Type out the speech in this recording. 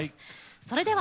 それでは。